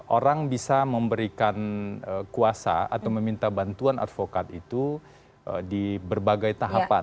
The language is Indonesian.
orang bisa memberikan kuasa atau meminta bantuan advokat itu di berbagai tahapan